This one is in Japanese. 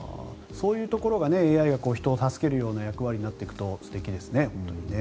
そういうところがＡＩが人を助けるような役割になっていくと素敵ですね、本当に。